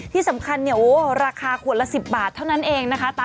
๑๐บาทเอาเถอะเนอะ๑๐บาท